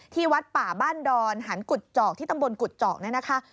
ที่วัฒน์ป่าบ้านดอลหันกุดจอกที่ตำบลกุดจอกน่ะนะคะ